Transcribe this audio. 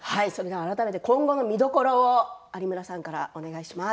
改めて今後の見どころを有村さんからお願いします。